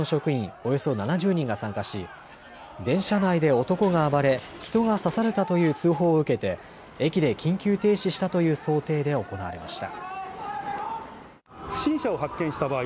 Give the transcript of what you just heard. およそ７０人が参加し電車内で男が暴れ、人が刺されたという通報を受けて駅で緊急停止したという想定で行われました。